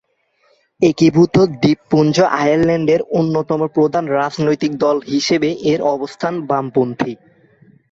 একীভূত দ্বীপপুঞ্জ আয়ারল্যান্ডের অন্যতম প্রধান রাজনৈতিক দল হিসেবে এর অবস্থান বামপন্থী।